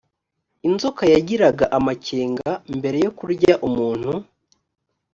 inzoka yagiraga amakenga mbere yokurya umuntu